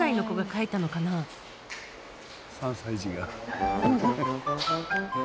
３歳児が。